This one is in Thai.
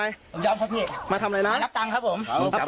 ยายครับผม